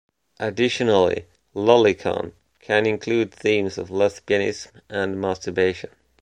Additionally, lolicon can include themes of lesbianism and masturbation.